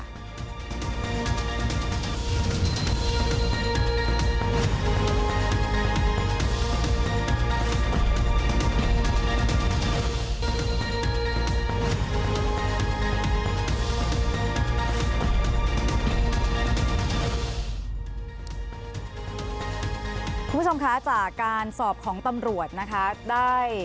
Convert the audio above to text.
คุณผู้ชมคะจากการสอบของตำรวจนะคะได้